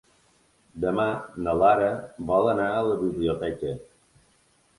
Demà na Lara vol anar a la biblioteca.